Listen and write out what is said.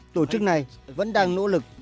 tổ chức này vẫn đang nỗ lực